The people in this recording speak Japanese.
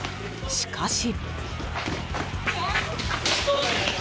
しかし。